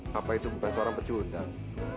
bapak itu bukan seorang pecundang